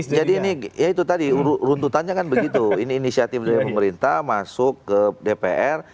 ini ya itu tadi runtutannya kan begitu ini inisiatif dari pemerintah masuk ke dpr